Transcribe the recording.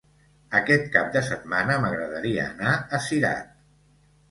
Aquest cap de setmana m'agradaria anar a Cirat.